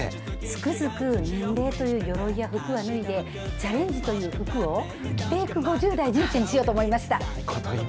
つくづく、人間というよろいや服は脱いで、チャレンジという服を着ていく５０代、人生にしていこうと思いました。